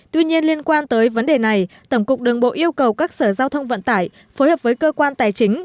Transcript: tuy nhiên liên quan tới vấn đề này tổng cục đường bộ yêu cầu các sở giao thông vận tải phối hợp với cơ quan tài chính